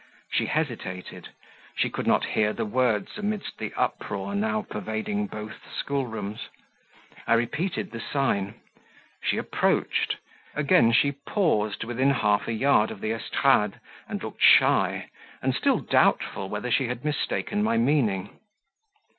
She hesitated; she could not hear the words amidst the uproar now pervading both school rooms; I repeated the sign; she approached; again she paused within half a yard of the estrade, and looked shy, and still doubtful whether she had mistaken my meaning.